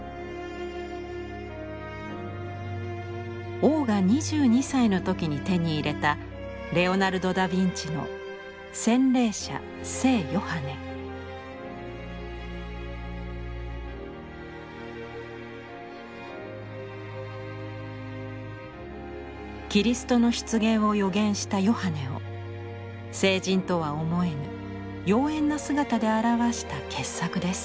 王が２２歳の時に手に入れたキリストの出現を予言したヨハネを聖人とは思えぬ妖艶な姿で表した傑作です。